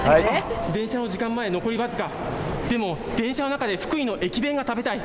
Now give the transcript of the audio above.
電車の時間まで残り僅か、でも、電車の中で福井の駅弁が食べたい。